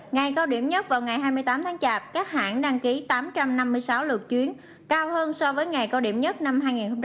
ngày cao điểm nhất vào ngày hai mươi tám tháng chạp các hãng đăng ký tám trăm năm mươi sáu lượt chuyến cao hơn so với ngày cao điểm nhất năm hai nghìn hai mươi ba